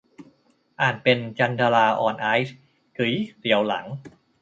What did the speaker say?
อ่านเป็น 'จันดารา ออน ไอซ์' กึ๋ย เสียวหลัง